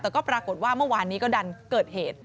แต่ก็ปรากฏว่าเมื่อวานนี้ก็ดันเกิดเหตุ